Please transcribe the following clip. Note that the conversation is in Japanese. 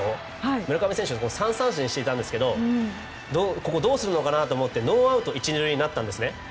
村上選手が３三振していたんですけどどうするのかなと思ってノーアウト１、２塁になったんですね。